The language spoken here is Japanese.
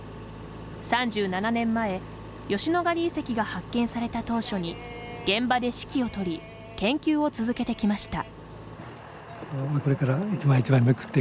３７年前吉野ヶ里遺跡が発見された当初に現場で指揮をとり研究を続けてきました。